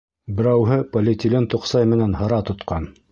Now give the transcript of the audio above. Берәүһе полиэтилен тоҡсай менән һыра тотҡан.